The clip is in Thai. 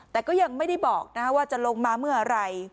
แต่ก็ยังไม่ได้บอกว่าจะลงมาเมื่อไหร่